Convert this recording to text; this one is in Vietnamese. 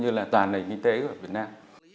như là toàn nền kinh tế của việt nam